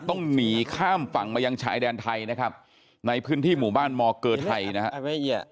ต้องหนีข้ามฝั่งมายังชายแดนไทยนะครับในพื้นที่หมู่บ้านมเกอร์ไทยนะครับ